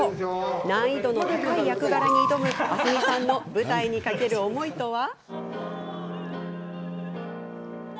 難易度の高い役柄に挑む明日海さんの舞台に懸ける思いとは？